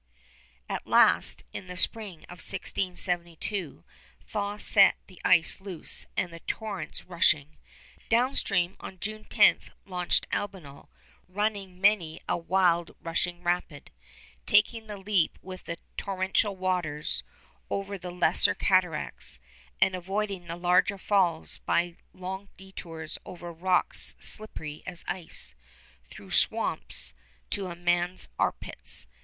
At last, in the spring of 1672, thaw set the ice loose and the torrents rushing. Downstream on June 10 launched Albanel, running many a wild rushing rapid, taking the leap with the torrential waters over the lesser cataracts, and avoiding the larger falls by long detours over rocks slippery as ice, through swamps to a man's armpits.